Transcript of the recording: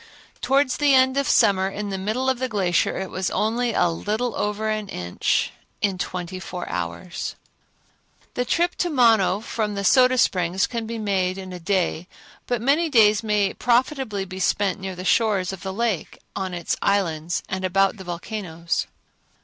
Towards the end of summer in the middle of the glacier it was only a little over an inch in twenty four hours. The trip to Mono from the Soda Springs can be made in a day, but many days may profitably be spent near the shores of the lake, out on its islands and about the volcanoes.